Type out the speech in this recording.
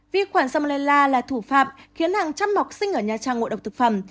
vi khuẩn salmonella là thủ phạm khiến hàng trăm bọc sinh ở nhà trang ngội độc thực phẩm